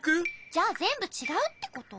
じゃあぜんぶちがうってこと？